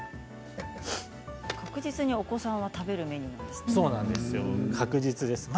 確実にお子さんは食べるメニューはそうですね。